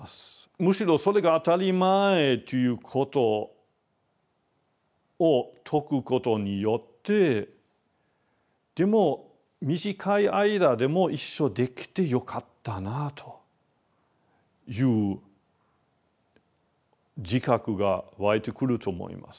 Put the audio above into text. むしろそれが当たり前ということを説くことによってでも短い間でも一緒できてよかったなあという自覚がわいてくると思いますね。